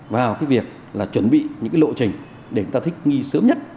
vào việc chuẩn bị những lộ trình để chúng ta thích nghi sớm nhất